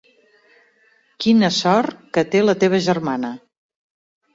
Quina sort que té la teva germana.